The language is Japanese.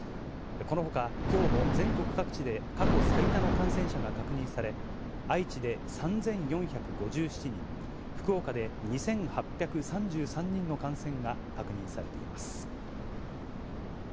このほか、きょうも全国各地で過去最多の感染者が確認され、愛知で３４５７人、福岡で２８３３人の感染が確認されています。